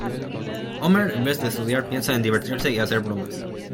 Homer, en vez de estudiar, piensa en divertirse y hacer bromas.